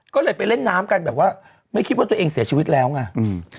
ก็เลยไปเล่นน้ำกันแบบว่าไม่คิดว่าตัวเองเสียชีวิตแล้วไงอืม